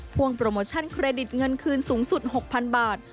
พ่วงโปรโมชั่นเครดิตเงินคืนสูงสุด๖๐๐๐บาท